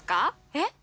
えっ？